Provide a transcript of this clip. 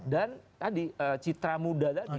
dan tadi citra muda tadi